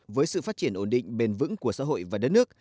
với sự phát triển ổn định bền vững của xã hội và đất nước